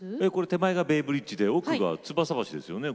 手前がベイブリッジで奥がつばさ橋ですよね